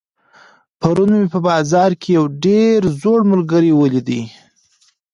پرون مي په بازار کي یو ډېر زوړ ملګری ولیدی.